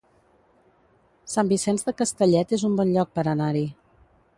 Sant Vicenç de Castellet es un bon lloc per anar-hi